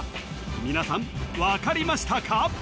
皆さんわかりましたか？